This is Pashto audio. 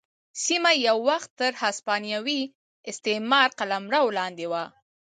سیمه یو وخت تر هسپانوي استعمار قلمرو لاندې وه.